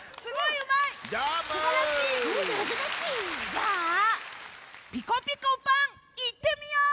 じゃあ「ピコピコパン！」いってみよう！